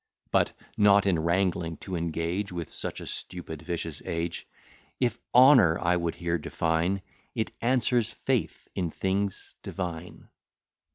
But (not in wrangling to engage With such a stupid, vicious age) If honour I would here define, It answers faith in things divine.